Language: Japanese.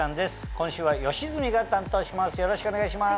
今週は吉住が担当します